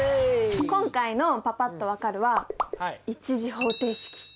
今回のパパっと分かるは１次方程式。